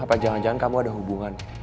apa jangan jangan kamu ada hubungan